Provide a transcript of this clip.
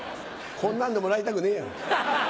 こんなんでもらいたくねえよ。